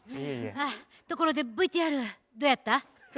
はあところでＶＴＲどうやった？